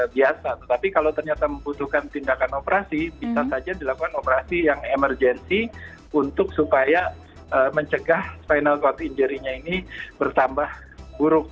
biasa tetapi kalau ternyata membutuhkan tindakan operasi bisa saja dilakukan operasi yang emergensi untuk supaya mencegah spinal cold injury nya ini bertambah buruk